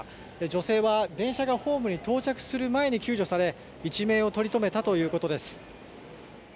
女性は電車がホームに到着する前に救助され、一命をとりとめたということです。